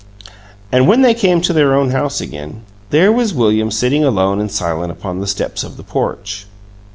And when they came to their own house again, there was William sitting alone and silent upon the steps of the porch.